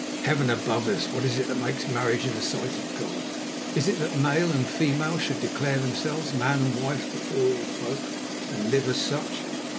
Heaven above us! what is it that makes marriage in the sight of God? It is that male and female should declare themselves man and wife before all folk, and live as such.